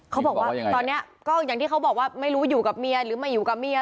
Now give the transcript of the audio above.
เขาบอกว่าตอนนี้ก็อย่างที่เขาบอกว่าไม่รู้อยู่กับเมียหรือไม่อยู่กับเมีย